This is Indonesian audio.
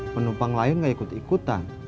penumpang lain gak ikut ikutan